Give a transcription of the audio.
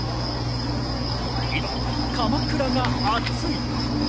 今、鎌倉がアツい。